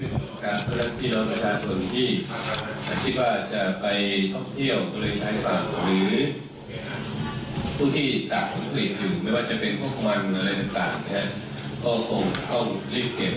ไม่สามารถที่จะต่างให้มันโดนแดดได้ครับวันนี้นะครับ